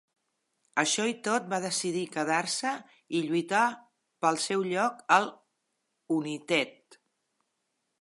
Així i tot, va decidir quedar-se i lluitar pel seu lloc al United.